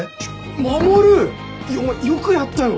守！お前よくやったよ！